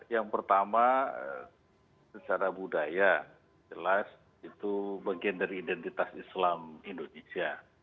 yang pertama secara budaya jelas itu bagian dari identitas islam indonesia